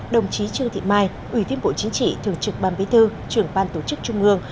đồng chí trương thị mai ủy viên bộ chính trị thường trực ban bí thư trưởng ban tổ chức trung ương